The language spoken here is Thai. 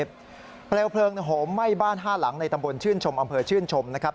เปลวเพลิงโหมไหม้บ้าน๕หลังในตำบลชื่นชมอำเภอชื่นชมนะครับ